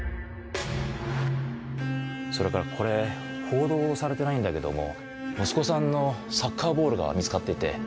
それからこれ報道されてないんだけども息子さんのサッカーボールが見つかっていて。